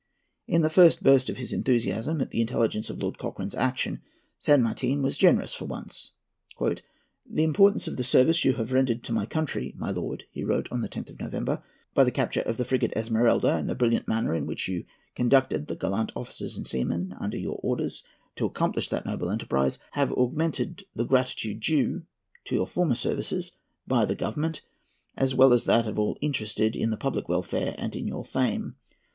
In the first burst of his enthusiasm at the intelligence of Lord Cochrane's action, San Martin was generous for once. "The importance of the service you have rendered to the country, my lord," he wrote on the 10th of November, "by the capture of the frigate Esmeralda, and the brilliant manner in which you conducted the gallant officers and seamen under your orders to accomplish that noble enterprise, have augmented the gratitude due to your former services by the Government, as well as that of all interested in the public welfare and in your fame.